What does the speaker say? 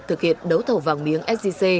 thực hiện đấu thầu vàng miếng sgc